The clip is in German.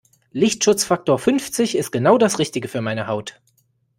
Lichtschutzfaktor fünfzig ist genau das Richtige für meine Haut.